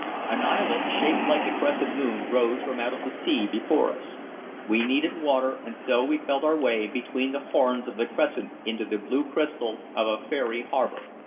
An islet, shaped like the crescent moon, rose from out the sea before us. We needed water, and so we felt our way between the horns of the crescent into the blue crystal of a fairy harbor.